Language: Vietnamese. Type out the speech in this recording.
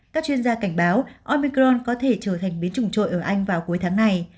các chuyên gia cảnh báo omicron có thể trở thành biến chủng trội ở anh vào cuối tháng này